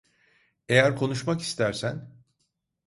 Eğer konuşmak istersen…